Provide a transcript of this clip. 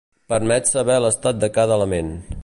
Permet saber l'estat de cada element.